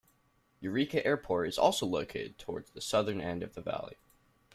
Eureka Airport is also located towards the southern end of the valley.